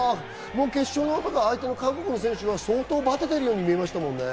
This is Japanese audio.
決勝の相手の韓国の選手はバテているように見えましたね。